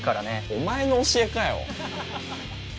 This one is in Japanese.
お前の教えかよ。